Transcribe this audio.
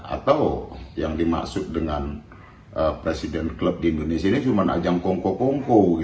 atau yang dimaksud dengan presiden klub di indonesia ini cuma ajang kongko kongko